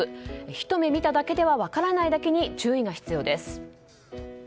ひと目見ただけでは分からないだけに注意が必要です。